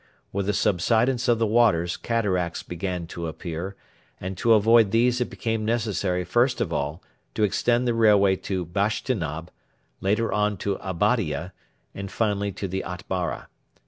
With the subsidence of the waters cataracts began to appear, and to avoid these it became necessary first of all to extend the railway to Bashtinab, later on to Abadia, and finally to the Atbara.